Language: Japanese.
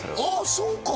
そうか